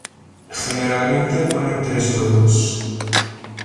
Generalmente ponen tres huevos.